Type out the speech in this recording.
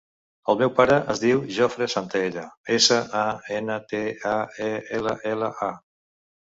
El meu pare es diu Jofre Santaella: essa, a, ena, te, a, e, ela, ela, a.